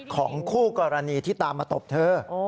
ของคู่กรณีที่ตามมาตบเธอ